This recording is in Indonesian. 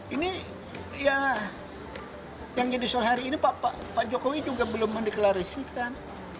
ini ya yang jadi soal hari ini pak jokowi juga belum mendeklarasikan